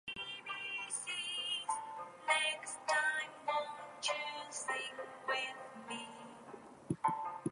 Most historians think that all the charges were fabrications.